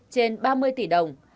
trên ba mươi tỷ đồng